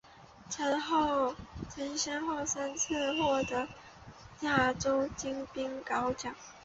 曾先后三次获得亚洲金冰镐奖。